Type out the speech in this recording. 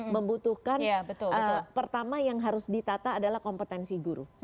membutuhkan pertama yang harus ditata adalah kompetensi guru